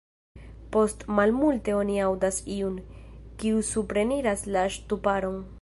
Post malmulte oni aŭdas iun, kiu supreniras la ŝtuparon.